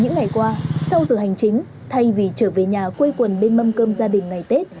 những ngày qua sau giờ hành chính thay vì trở về nhà quây quần bên mâm cơm gia đình ngày tết